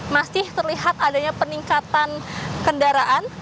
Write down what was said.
masih terlihat adanya peningkatan kendaraan